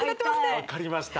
分かりました